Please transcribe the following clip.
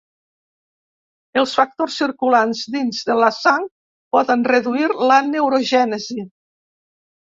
Els factors circulants dins de la sang poden reduir la neurogènesi.